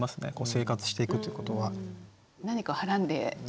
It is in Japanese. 生活していくということは。